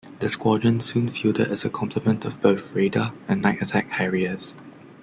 The squadron soon fielded a complement of both Radar and Night Attack Harriers.